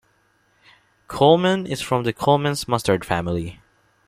Colman is from the Colman's mustard family.